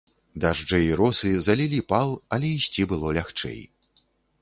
Дажджы і росы залілі пал, але ісці было лягчэй.